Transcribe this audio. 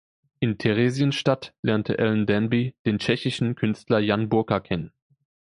In Theresienstadt lernte Ellen Danby den tschechischen Künstler Jan Burka kennen.